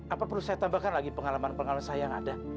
apa perlu saya tambahkan lagi pengalaman pengalaman saya yang ada